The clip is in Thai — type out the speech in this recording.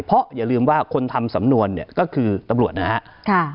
เพราะอย่าลืมว่าคนทำสำนวนก็คือตำรวจนะฮะ